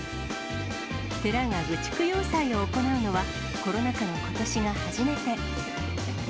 寺が愚痴供養祭を行うのは、コロナ禍のことしが初めて。